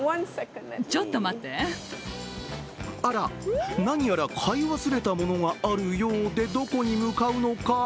あらっ、何やら買い忘れたものがあるようで、どこに向かうのか？